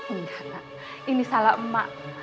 enggak nak ini salah emak